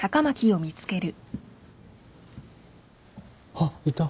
あっいた。